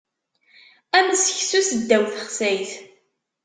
Am seksu seddaw texsayt.